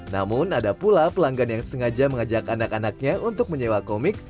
namun ada pula pelanggan yang sengaja mengajak anak anaknya untuk menyewa komik